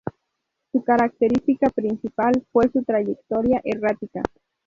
Su característica principal fue su trayectoria errática.